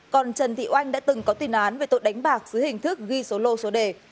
còn trần thị oanh đã từng có tiền án về tội đánh bạc dưới hình thức ghi số lô số đề